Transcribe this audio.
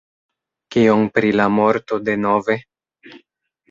Kion pri la morto denove?